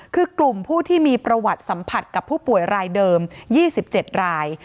คือกลุ่มผู้ที่มีประวัติสัมผัสกับผู้ป่วยรายเดิม๒๗ราย